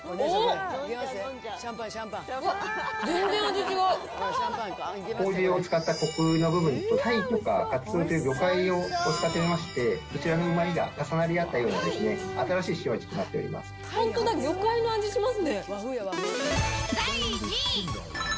こうじを使ったこくの部分とタイとかカツオっていう魚介を使いまして、そちらのうまみが重なり合ったような、新しい塩味とな本当だ、魚介の味しますね。